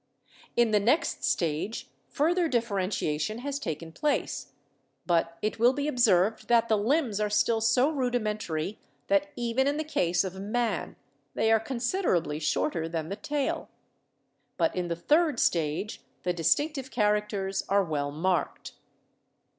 In the next stage further differentiation has taken place, but it will be observed that the limbs are still so rudimentary that even in the case of man they are con siderably shorter than the tail. But in the third stage the distinctive characters are well marked.